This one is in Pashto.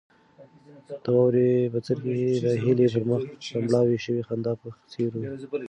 د واورې بڅرکي د هیلې پر مخ د مړاوې شوې خندا په څېر وو.